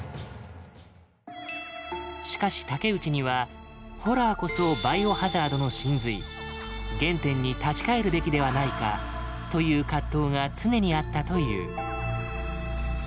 しかし竹内には「ホラーこそ『バイオハザード』の神髄。原点に立ち返るべきではないか」という葛藤が常にあったという。